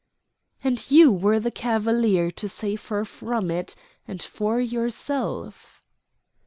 "And you were the cavalier to save her from it and for yourself."